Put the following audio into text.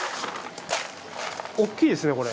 大きいですねこれ。